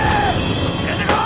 出てこい！